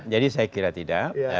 jadi saya kira tidak